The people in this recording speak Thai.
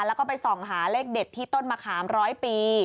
แล้วก็ไปส่องหาเลขเด็ดที่ต้นมะขามร้อยปี